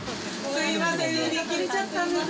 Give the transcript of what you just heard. すみません、売り切れちゃったんです。